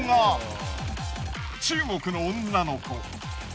中国の女の子。